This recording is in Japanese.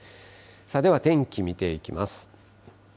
では天気見ていきます。